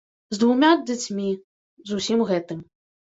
З двума дзяцьмі, з усім гэтым.